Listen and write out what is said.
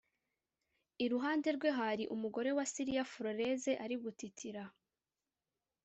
iruhande rwe hari umugore we Cilia Flores ari gutitira